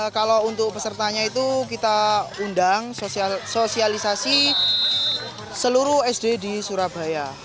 kalau untuk pesertanya itu kita undang sosialisasi seluruh sd di surabaya